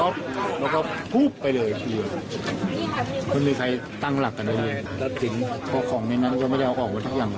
พวกมีเครื่องใช้ความเป็นข้าวสำหรับทุเรียนละทัดอะไรอย่างนี้